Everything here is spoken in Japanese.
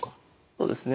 そうですね